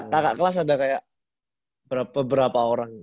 kakak kelas ada kayak beberapa orang